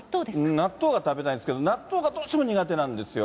納豆が食べたいんですけど、納豆がどうしても苦手なんですよ。